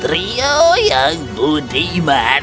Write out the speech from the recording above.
trio yang budiman